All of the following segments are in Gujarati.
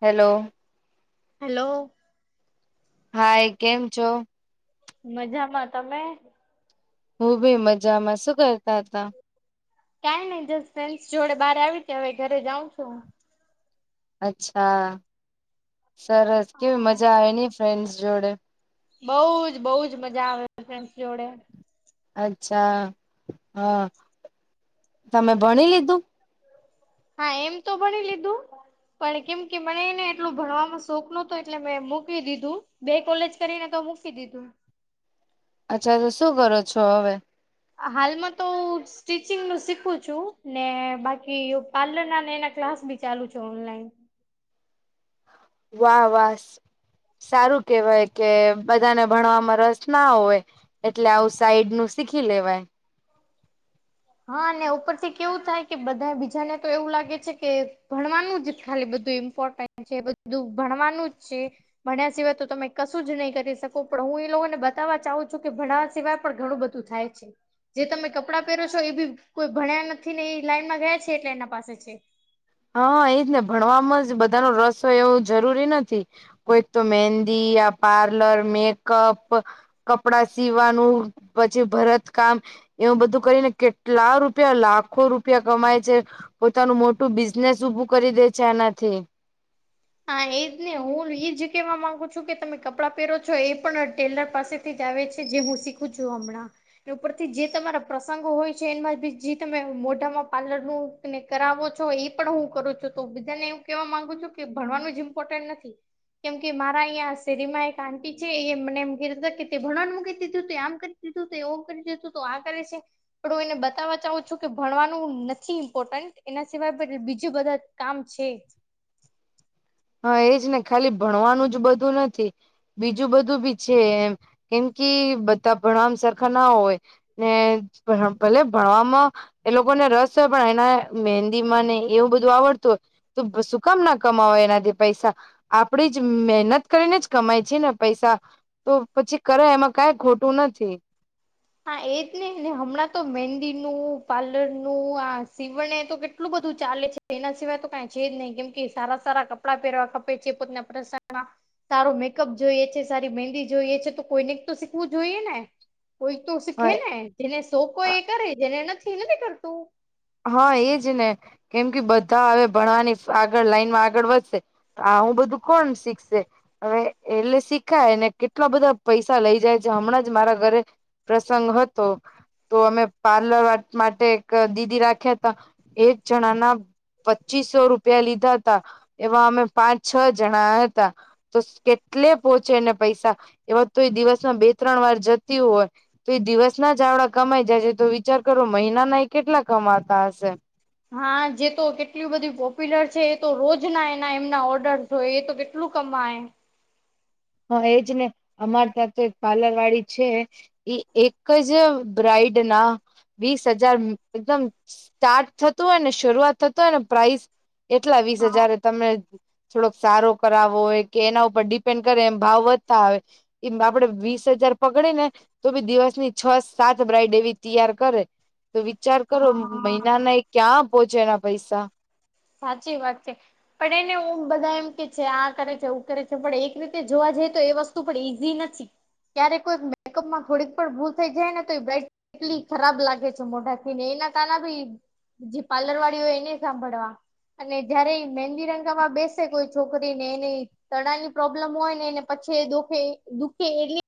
હેલો. હેલો. હાય કેમ છો. મજામાં તમે? હું ભી મજામાં શું કરતા હતા? કં નહી જસ ફ્રેન્સ જોડે બહાર આવી હતી હવે ઘરે જાઉં છું હ. અચ્છા સરસ કેવી મજા આવે નહી ફ્રેન્ડ્સ જોડે? બઉ જ બહુ જ મજા આવે ફ્રેન્સ જોડે. અચ્છા હા તમે ભણી લીધું? હા એમ તો ભણી લીધું. પણ કેમ કે મનેને એટલું ભણવાનો શોખ નોતો એટલે મેં મૂકી દીધું. બે કોલેજ કરીને તો મૂકી દીધું. અચ્છા તો શું કરો છો હવે. હાલમાં તો હું સ્ટિચિંગ નું શીખું છું ને બાકી પાર્લર ના એના ક્લાસ બી ચાલુ છે ઓનલાઈન. વાહ વાસ. સારું કેવાય કે બધાને ભણવામાં રસ ના હોય, એટલે આવું સાઈડ નું શીખી લેવાય. હા અને ઉપરથી કેવું થાય કે બધા બીજાને તો એવું લાગે છે કે ભણવાનું જ ખાલી બધું ઇમ્પોર્ટ. છે બધું ભણવાનું જ છે. ભણ્યા સિવાય તો તમે કશું જ નહી કરી શકો પણ હું એ લોકોને બતાવવા ચાહુ છું કે ભણ સિવાય પણ ઘણું બધું થાય છે જે તમે કપડાં પહેરો. એ બી કોઈ ભણ્યા નથી ને એ લાઈનમાં ગયા છે એટલે એના પાસે છે. હા એજ ને ભણવામાં જ બધા ન રસ હોય એવું જરૂરી નથી. કોઈ તો મહેંદી યા પાર્લર મેકઅપ. કપડા સીવાનું પછી ભરત કામ એવ બધું કરીને કેટલા રૂપિયા લાખો રૂપિયા કમાય છે. પોતાનું મોટું બ બિઝનેસ ભું કરી દે છે એનાથી. હા એજ ને હું એજ કેહેવા માંગુ છું કે તમે કપડાં પહેરો છો એ પણ ટેલર પાસે આવે છે જે હું શીખું છું હમણાં. એ ઉપરથી જે તમારા પ્રસંગો હોય છે એમાં બી જે તમે મોઢામાં પાર્લરનું ને કરાવો છો એ પણ હું કરું છું તો બીજાને એવું કેવા માંગુ છું કે ભણવાનું જ ઇમ્પોર્ટન્ટ નથી. કેમ કે મારા અહીંયા શેરીમાં એક આંટી છે એ મને એમ ક કે તે ભણવાનું મકી દીધું આમ. કીધું એવું કરી દેતું તો આ કરે છે. પણ હું એને બતાવવા ચઉું છું કે ભણવાનું નથી ઇમ્પોર્ટન્ટ એના સિવાય પણ બીજું બધા કામ છે. હા એજ ને ખાલી ભણવાનું જ બધું નથી. બીજું બધું બી છે એમ કેમ કે બધા ભણમ સરખા ના હોય. ને ભલે ભણવામાં એ લોકોને રસ હોય પણ એના મહેંદીમાં નને એવું બધું આવડતું હોય શું કામ ના કમાવે એના. પૈસા આપડી જ મહેનત કરીને જ કમાય છે ને પૈસા. તો પછી કરે એમાં કઈ ખોટું નથી. હા એ જ નને ને હમણાં તો મહેંદી નું પાર્લર નું આ સીવણે તો કેટલું બધું ચાલે છે. તે એના સિવાય તો કંઈ છે જ નહીિ કેમ કે સારા સારા કપડાં પહેરવા ખપે છે પોતના પ્રસાના. સારો મેકઅપ જોઈએ છે સારી મહેંદી જોઈએ છે તો કોઈને તો શીખવું જોઈએ ને. કોઈ તો શીખે હા ને જેને શો કો એ કરે જેને નથી એ કરતું. હા એજ ને કેમ કે બધા હ ભણવાની આગળ લાઈનમાં આગળ વધશે. હું બધું કોણ શીખશે. હવે એટલે શીખાય ને કેટલા બધા પૈસા લઇ જાય છે હમણાં જ મારા ઘરે. પ્રસંગ હતો તો અમે પાર્લર માટે એક દીદી રાખી. રાખ્યા હતા એક જણા ના પચીસો રૂપિયા લીધા હતા એવા અમે પાંચ છ જણા હતા. તો કેટલે પોહોંચેને પૈસા એવા તો એ દિવસમાં બે ત્રણ વાર જતી હોય. તો એ દિવસના જાવડા કમાઈ જાય છે તો વિચાર કરો મહિનાના એ કેટલા કમાતા હશે. હા જે તો કેટલ બધી પોપ્યુલર છે એ તો રોજ ના એના એમના ઓર્ડર તો એ તો કેટલું કમાય. હા એજ ને અમારે ત્યાં તો એક પાર્લર વાળી છે. એક જ બ્રઇડ ના વીસ હજાર એકદમ સ્ટાર્ટ થતું હોય ને શરૂઆત થતું હોય ને પ્રાઇઝ. એટલા વીસ હા હજાર તમને થોડોક સારો કરાવો હોય કે એના ઉપર ડિપેન્ડ એમ ભાવ વધતા આવે એમ આપડે વીસ હજાર પકડે ને. તો બી દિવસની છ સાત બ્રાઈઇડેવી તૈયાર કરે. તો વિચાર કરો હા મહિનાના એ ક્યાં પોહોંચે એના પૈસા. સાચી વાત છે. પણ એને હું બધા એમ કે છે આ કરે છે એું કરે છે પણ એક રીતે જોવા જઈએ તો એ વસ્તુ. પણ ઈઝી નથી ક્યારે કોઈ મેકઅપ માં થોડીક પણ ભૂલ થઈ જાયને તો બ્રટ કેટલી ખરાબ લાગે છે મોઢાથીને એના કારણે ભી જે પાર્લર વાળી હોય એને સાંભળવા. અને જયારે મહેંદીરંગા માં બેસે કોઈ છોકરી ને એની તણાની પ્રોબ્લેમ હોય નેને પછી દુઃખે દુખે એટલે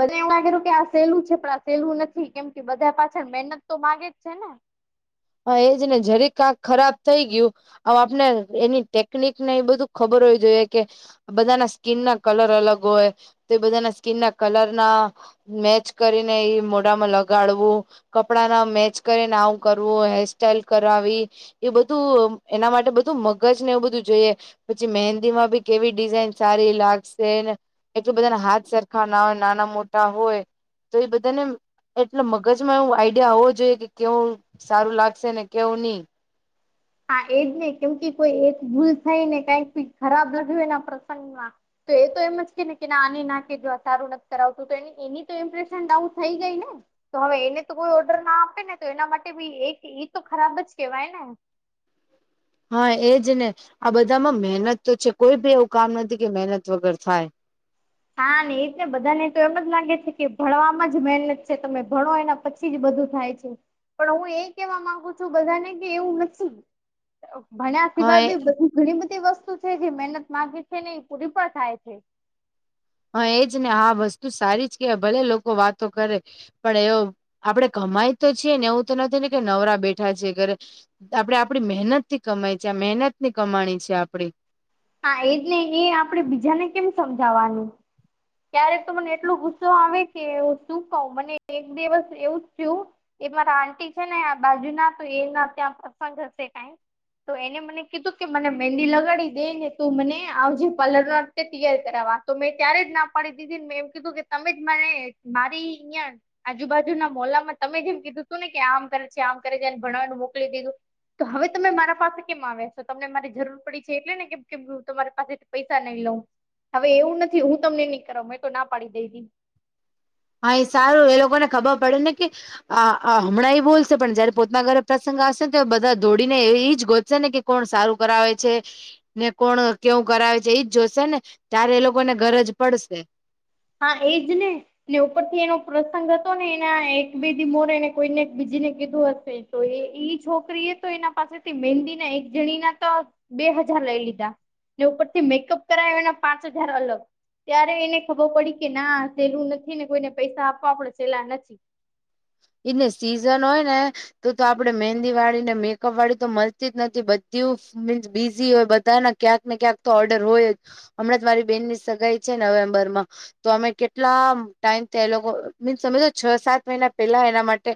બધા આ સહેલું છે પણ આ સહેલું નથી કેમ કે બધા પાછળ મહેનત તો માગે જ છે ને. હા એજ ને જરી કાક ખરાબ થઈ ગયું. હ આપણે એની ટેકનિક ને એ બધું ખબર હોવી જોઈએ કે. બધાના સ્કીનના કલર અલગ હોય તો એ બધાના સ્કીનના કલરના મેચ કરીને ઈ મોઢામાં લગાડવું કપડા ના મેચ કરીને આવું કર વો હેરસ્ટાઈલ કરાવી એ બધું એના માટે બધું મગજ ને એવું બધું જોઈએ. પછી મેહેંદી માં બી કેવી ડિઝાઇન સારી લાગશે ને એકતો બધાના હાથ સરખા ના હોય નાના મોટા હોય. તો એ બધાને એટલે મગજમાં એવું આઈડિયા હોવો જોઈએ કે કેવું સારું લાગશે ને કેવું ની. હા એજ ને બધુંઈ કેમ કે કોઈ એક ભૂલ થઈ ને કઈક ખરાબ લગ્યું એના પ્રસંગમાં. તો એ તો એમ જ કે ને કે ના આને ના કે જો સારું નથ કરાવતું તો એની એની તો ઇમ્પ્રેશન ડાઉન થઈ ગઈ ને. તો હવે એને તો કોઈ ઓર્ડર ના આપે ને તો એના માટે બી એક ઈ તો ખરાબ જ કેવાય ને. હા એજ ને આ બધામાં મે હેનત તો છે કોઈ બી એવું કામ નથી કે મેહેનત વગર થાય. હા ને એ જ ને બધા ને તો એમ જ લાગે છે કે ભણવામાં જ મેહેનત છે તમે ભણો એના પછી છી જ બધું થાય છે, પણ હું એ કેવા માંગુ છું બધાને કે એવું નથી. ભણ્યા હા સિવાય એ બી બધું ઘણી બધી વસ્તુ છે જે મેહેનત માંગે છે ને એ પૂરી પણ થાય છે. હા એજને આ વસ્તુ સારી જ કેવાય ભલે લોકો વાતો કરે. પણ એવ આપડે કમાય તો છીએ ને એવું તો નથી ને કે નવરા બેઠા છે ઘરે. આપડે આપડી મેહેનત થી કમાય છે આ મેહેનત ની કમાણી છે આપડી. હા, એજને એ આપડે બીજાને કેમ સમજાવાનું. ક્યારેક તો મને એટલો ગુસ્સો આવે કે શું કઉ, મને એક દિવસ એવું જ થયું એક મારા આંટી છે ને આ બાજુ ના તો એમના ત્યાં પ્રસંગ હશે કાઈ તો એને મને કીધું કે મને મેંદી લગાડી દે ને તું મને આવજે પલરવા કે તૈયાર કરાવવા તો મેં ત્યારે જ ના પાડી દીધીન, આ મેં એમ કીધું કે તમેજ મારા એ મારી અહિયાં આજુબાજુના મોહલામાં તમેજ એમ કીધું તું ને કે આમ કરે છે, આમ કરે છેન ભણવાનું મોકલી દીધું. તો હવે તમે મારા પાસે કેમ આવ્યા છો તમને મારી જરૂર પડી છે એટલે ને કેમ કેમ હું તમારી પાસે પૈસા નહી લઉ હવે એવું નથી હું તમને ની કરાઉ મેં તો ના પાડી દેઈધી. હા એ સારું એ લોકોને ખબર પડે ને કે આ આ હમણાં એ બોલશે પણ જયારે પોતના ઘરે પ્રસંગ આવશે ને તો બધા દોડીને એ ઈજ ગોતશે ને કે કોણ સારું કરાવે છે. ને કોણ કેવું કરાવે છે એજ જોશે ને ત્યારે એ લોકોને ગરજ પડશે. હા એજ ને. ને ઉપર થી એનો પ્રસંગ હતો ને એના એક બે દી મોર એને કોઈને બીજી ને કીધું હશે. તો એ ઈ છોકરી એ તો એના પાસેથી મહેંદી ના એક જણીના તો બે હજાર લઈ લીધા ને ઉપરથી મેકઅપ કરાયો એના પાંચ હજાર અલગ ત્યારે એને ખબર પડી કે ના સેલું નથી ને કોઈને પૈસા આપવા પડશે એટલે આ નસી ઈજને સિઝન હોય ને તો તો આપડે મહેંદી વાળી ને મેકઅપ વાળી તો મળતી જ નથી બધીઉ મીન્સ બીઝી હોય બધાના ક્યાંક ને ક્યાંક તો ઓર્ડર હોય જ હમણાં જ મારી બેનની સગાઈ છે નવેમ્બર માં તો અમે કેટલા ટાઈમ તે લોકો મીન્સ અમે તો છ સાત મહિના પેલા એના માટે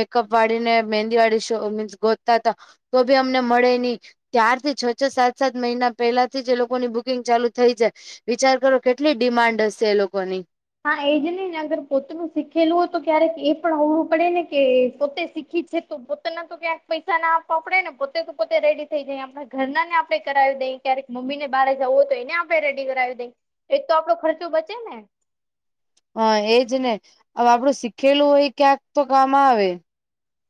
મેકઅપ વાળી ને મેંદી વાળી શો મીન્સ ગોતતા તા તો ભી અમને મળે ની ત્યાર થી છ છ સાત સાત મહિના પહેલાથી જ એ લોકોની બુકિંગ ચાલુ થઈ જાય. વિચાર કરો, કેટલી ડિમાન્ડ હશે એ લોકોની. હા એ જ ને અગર પોતનું શીખેલું હોય તો ક્યારેક એ પણ અવડું પડે ને કે પોતે શીખી છે તો ક્યાંક પૈસા ના આપવા પડેને પોતે તો પોતે રેડી થઈ જાઈ આપણા ઘરના ને આપડે કરાવી દઈ ક્યારેક મમ્મી ને બારે જાવું હોય તો એને આપડે રેડી કરાવી દઈ એ તો આપડો ખર્ચો બચેને. હા એજ ને, હવે આપડું શીખેલું હોય ક્યાંક તો કામ આવે.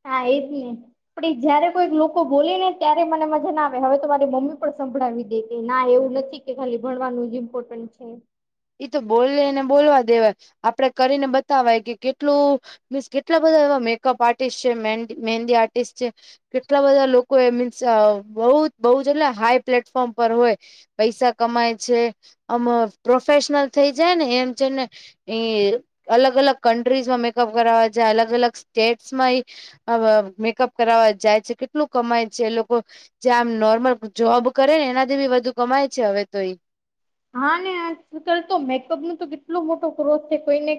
હા, એજ ને. પણ જયારે કોઈક લોકો બોલેને ત્યારે મને મજા ના આવે હવે તો મારી મમ્મી પણ સંભળાવી દે કે ના એવું નથી કે ખાલી ભણવાનું જ ઇમ્પોર્ટન્ટ છે. એ તો બોલે ને બોલવા દેવાય આપડે કરીને બતાવાય કે કેટલું. મીન્સ કેટલા બધા એવા મેકઅપ આર્ટિસ્ટ છે મહેંદી આર્ટિસ્ટ છે. કેટલા બધા લોકો એ મીન્સ બહ બહજ એટલે હાઈ પ્લેટફોર્મ પર હોય. પૈસા કમાય છે આમ પ્રોફેશનલ થઈ જાય ને એમ છે ને. અલગ અલગ કન્ટ્રીઝમાં મેકઅપ કરાવ જાય અલગ અલગ સ્ટેટ્સમાં. આ મેકઅપ કરાવવા જાય છે કેટલું કમાય છે એ લોકો. જે આમ નોર્મલ જોબ કરે ને એનાથી બી વધધુ કમાય છે હવે તો એ. હા ને આજલ તો મેકઅપ ન તો કેટલો મોટો ગ્રોથ છે કોઈને.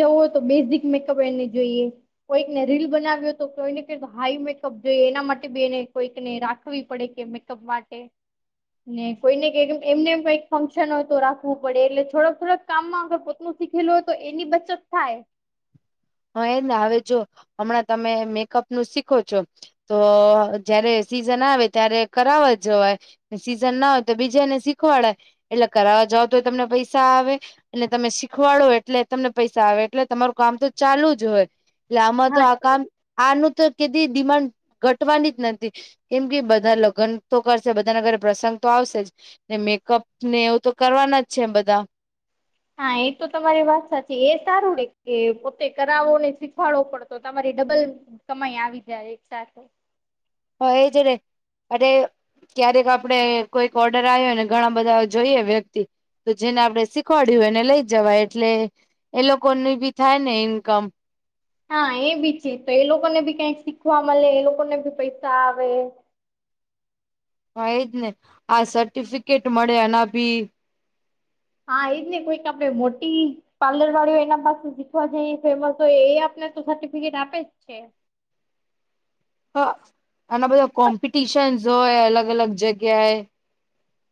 જવઓ તો બેઝિક મેકઅપ એને જોઈએ. કોઈકને રીલ બનાવ્યો તો કોઈને કે હાઈ મેકઅપ જોઈએ એના માટે બેને કોઈકને રાખ પડે કે મેકઅપ માટે કોઈને એમને. કઈક ફંક્શન હોય તો રાખવું પડે એટલે થોડાક થોડાક કામમાં અગર પોતનું શીખેલું હોય તો એની બચત થાય. હ એને હ જો હમણાં તમે મેકઅપ નું શીખો છો. તો જયારે સિઝન આવે ત્યારે કરાવવા જ જવાય. સીઝન ના હોય તો બીજા એને શીખવાડે એટલે કરાવવા જાવ તોય તમને પૈસા આવે. અને તમે શીખવાડો એટલે તમને પૈસા આવે એટલે તમારું કામ તો. ચાલુજ હોય એટલે આમાં હા તો આ કામ. આનું તો કેધી ડિમાન્ડ ઘટવાનીજ નથી. કેમ કે બધા લગ્ન તો કરશે બધાના ઘરે પ્રસંગ તો આવશે જ. ને મેકઅપ ને એવુંતો કરવાનાજ છેબધા. હા એ તો તમારી વાત સાચી એ સારું ે કે પોતે કરાવો ને શીખવાડવો પડતો તમારી ડબલ. કમાઈ આવી જાય એક સાથે. હ એ જ એમ ક્યારેક આપડે કોઈક ઓર્ડર આવ્યો ને ઘણા બધા જોઈએ વ્યક્તિ. તો જેને આપડણે શીખવાડય્યું હોય એને લઈ જવાય એટલે એ લોકોની બી થાય ને ઇન્કમ. હા એ બી છેી તો એ લોકો ને ભી કંક શીખવા મળે એ લોકોને ભી પૈસા આવે. હ એ જ ને આ સર્ટિફિકેટ મળે અને પી. હા એજ ને કોઈક આપડે મોટી. પાર્લર વાળીઓ એના પાસે શીખવા જાય ફેમસ હોય એ આપને તો સર્ટિફિકેટ આપેજ છે. હ આના બધા કોમ્પિટિશનસ હોય અલગ અલગ જગ્યાએ.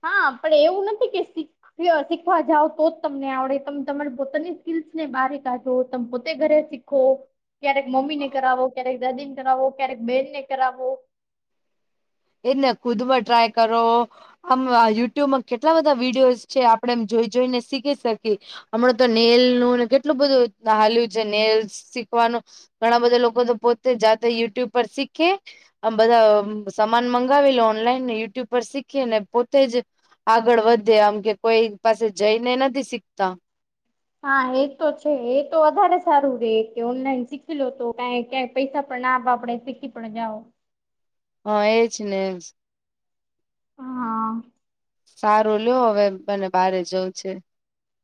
હા પણ એવું નથી કે. શીખવા જાવ તોજ તમને આવડે તમે તમારી પોતાની સ્કીલસ ને બારી કાઢો તમે પોતે ઘરેીખ ો ક્યારેક મમ્મી ને કરાવો ક્યારેક દાદી ને કરાવો ક્યારેક બેનને કરાવો. એજને ખુદમાં ટ્રાય કરો. આમ યુટ્યુબમાં કેટલા બધા વિડીયોઝ છે આપડે એમ જોઈ જોઈને શીખી શકીએ. હમણાં તો નેલ નું કેટલું બધું હાલ્યું છે નેલ શીખવાનું. ઘણા બધા લોકો તો પોતે જાતે યુટ્યુબ પર શીખે આમ બધા. સમાન મંગાવે લે ઓનલાઈન ને યુટ્યુબ પર શીખી ને પોતેજ. આગળ વધે આમ કે કોઈ પાસે જઈને નથી શીખતા. હા એ તો છે એ તો વધારે સારું રે કે ઓનલાઈન શીખી લો તો ક ક. પૈસા પણ ના વાપડે શીખી પણ જાઓ. હોયજ ને. હા. સારો લ્યો હવે બને બારે જવું છે.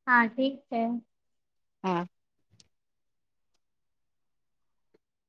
હા ઠીક છે. હા.